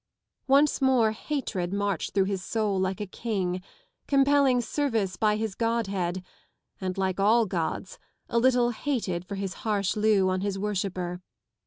Once more hatred marched through his soul like a king : compelling service by his godhead and, like all gods, a little hated for his harsh lieu on his worshipper.